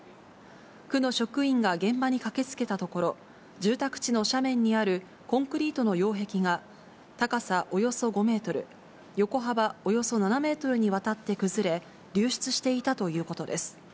区の職員が現場に駆けつけたところ、住宅地の斜面にあるコンクリートの擁壁が、高さおよそ５メートル、横幅およそ７メートルにわたって崩れ、流出していたということです。